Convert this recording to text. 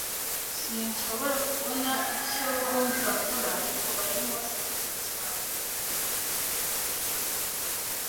Sinshobora kubona icyo bombi bakora, ariko barimo basakuza cyane.